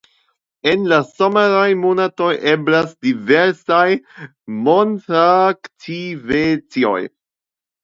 En la someraj monatoj eblas diversaj montaktivecoj.